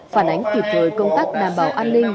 phản ánh kịp thời công tác đảm bảo an ninh